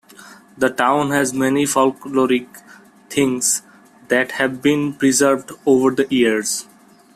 The town has many folkloric things that have been preserved over the years.